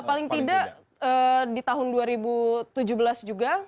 paling tidak di tahun dua ribu tujuh belas juga